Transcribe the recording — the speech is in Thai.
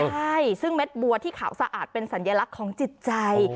ใช่ซึ่งเม็ดบัวที่ขาวสะอาดเป็นสัญลักษณ์ของจิตใจ